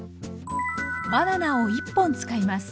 バナナを１本使います。